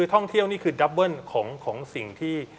ท่องเที่ยวนี่คือดับเบิ้ลของสิ่งที่